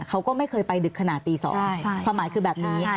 เขาก็ไม่เคยไปดึกขนาดตี๒ความหมายคือแบบนี้